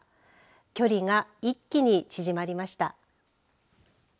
距離が一気に縮まりました。